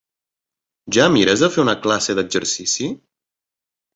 Ja mires de fer una classe d'exercici?